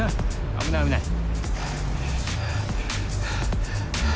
危ない危ない。